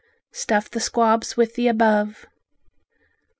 Stuff the squabs with the above.